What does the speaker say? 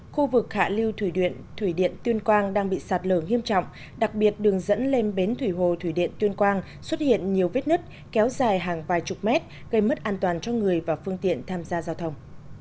khu vực hạ lưu thủy điện thủy điện tuyên quang đang bị sạt lở nghiêm trọng đặc biệt đường dẫn lên bến thủy hồ thủy điện tuyên quang xuất hiện nhiều vết nứt kéo dài hàng vài chục mét gây mất an toàn cho người và phương tiện tham gia giao thông